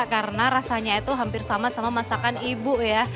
karena rasanya itu hampir sama sama masakan ibu ya